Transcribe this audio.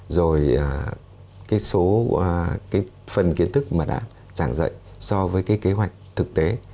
rồi cái số cái phần kiến thức mà đã giảng dạy so với cái kế hoạch thực tế